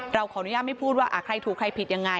เราขออนุญาตไม่พูดว่าใครถูกใครผิดยังไง